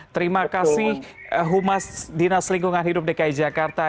terima kasih humas dinas lingkungan hidup dki jakarta